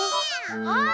あっ！